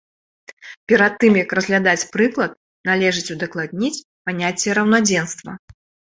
Перад тым як разглядаць прыклад, належыць удакладніць паняцце раўнадзенства.